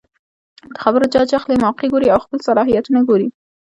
د خبرې جاج اخلي ،موقع ګوري او خپل صلاحيتونه ګوري